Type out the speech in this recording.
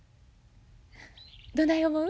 どない思う？